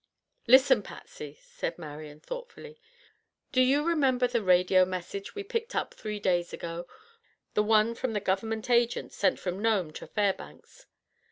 "Listen, Patsy," said Marian thoughtfully; "do you remember the radio message we picked up three days ago—the one from the Government Agent, sent from Nome to Fairbanks?"